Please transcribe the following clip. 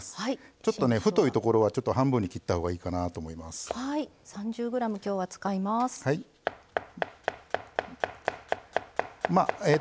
ちょっとね、太いところは半分に切ったほうがいいと思います。